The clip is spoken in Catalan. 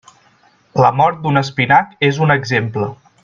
La mort d'un espinac és un exemple.